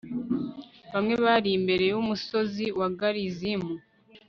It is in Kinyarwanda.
bamwe bari imbere y'umusozi wa garizimu